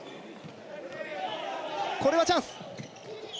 これはチャンス！